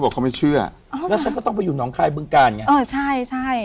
แล้วฉันก็ต้องไปอยู่หนองคลายเบื้องกาเนี่ย